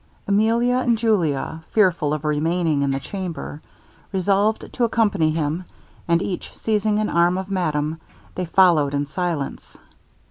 Emilia and Julia, fearful of remaining in the chamber, resolved to accompany him, and each seizing an arm of madame, they followed in silence.